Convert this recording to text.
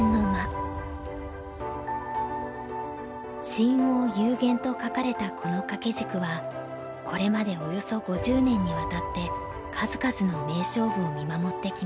「深奥幽玄」と書かれたこの掛け軸はこれまでおよそ５０年にわたって数々の名勝負を見守ってきました。